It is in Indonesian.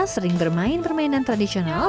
sering bermain permainan tradisional